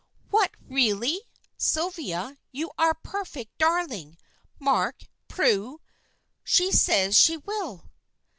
"What, really? Sylvia, you are a perfect darling! Mark! Prue! she says she will!"